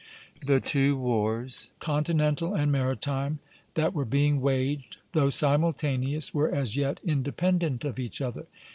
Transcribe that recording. The two wars, continental and maritime, that were being waged, though simultaneous, were as yet independent of each other.